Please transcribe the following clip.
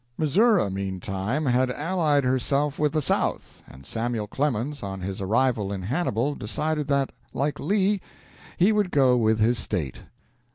Missouri, meantime, had allied herself with the South, and Samuel Clemens, on his arrival in Hannibal, decided that, like Lee, he would go with his State.